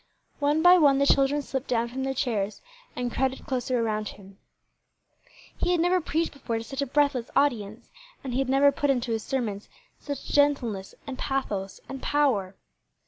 One by one the children slipped down from their chairs, and crowded closer around him. He had never preached before to such a breathless audience, and he had never put into his sermons such gentleness and pathos and power.